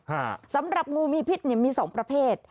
ฮะสำหรับงูมีพิษเนี่ยมีสองประเภท